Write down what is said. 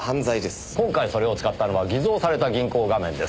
今回それを使ったのは偽造された銀行画面です。